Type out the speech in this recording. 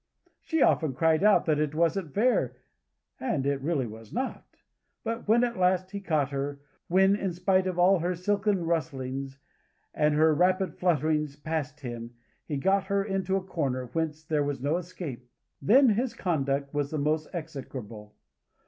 She often cried out that it wasn't fair; and it really was not. But when at last, he caught her; when, in spite of all her silken rustlings, and her rapid flutterings past him, he got her into a corner whence there was no escape; then his conduct was the most execrable.